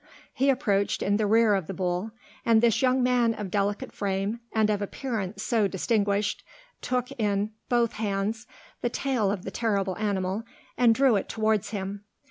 He approached in the rear of the bull; and this young man of delicate frame, and of appearance so distinguished, took in both hands the tail of the terrible animal, and drew it towards him.